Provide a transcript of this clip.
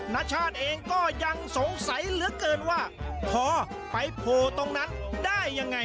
ณชาติเองก็ยังสงสัยเหลือเกินว่าพอไปโผล่ตรงนั้นได้ยังไง